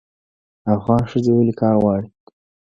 افغان ښځې ولې کار غواړي؟